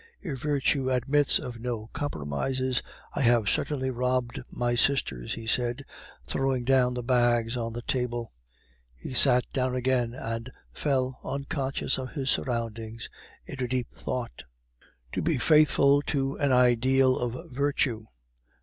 If virtue admits of no compromises, I have certainly robbed my sisters," he said, throwing down the bags on the table. He sat down again and fell, unconscious of his surroundings, into deep thought. "To be faithful to an ideal of virtue!